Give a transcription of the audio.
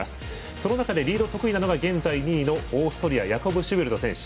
その中で、リードが得意なのが現在２位のオーストリアヤコブ・シューベルト選手。